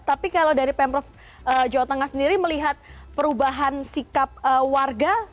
tapi kalau dari pemprov jawa tengah sendiri melihat perubahan sikap warga